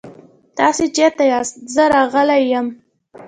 تاسې چيرته ياست؟ زه راغلی يم.